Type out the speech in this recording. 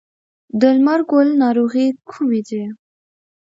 د لمر ګل ناروغۍ کومې دي؟